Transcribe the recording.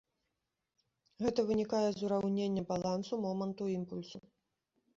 Гэта вынікае з ураўнення балансу моманту імпульсу.